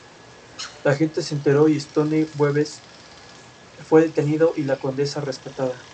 En su inhumación en Lima recibió el homenaje del Cuerpo de Bomberos del Perú.